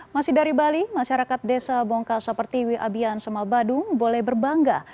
masih dari bali masyarakat desa bongka seperti wiabian sema badung boleh berbangga